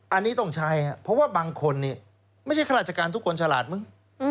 อันนี้ต้องใช้ครับเพราะว่าบางคนนี่ไม่ใช่ข้าราชการทุกคนฉลาดมึง